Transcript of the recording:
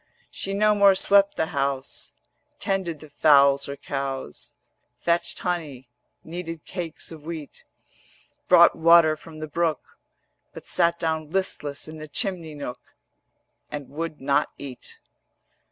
She no more swept the house, Tended the fowls or cows, Fetched honey, kneaded cakes of wheat, Brought water from the brook: But sat down listless in the chimney nook And would not eat.